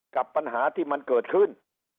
กับปัญหาที่มันเกิดขึ้น